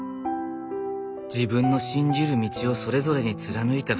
自分の信じる道をそれぞれに貫いた２人。